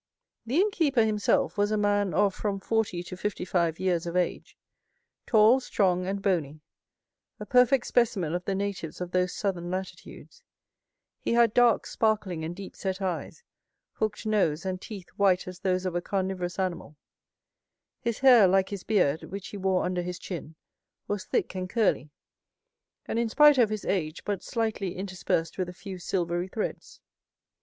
The innkeeper himself was a man of from forty to fifty five years of age, tall, strong, and bony, a perfect specimen of the natives of those southern latitudes; he had dark, sparkling, and deep set eyes, hooked nose, and teeth white as those of a carnivorous animal; his hair, like his beard, which he wore under his chin, was thick and curly, and in spite of his age but slightly interspersed with a few silvery threads.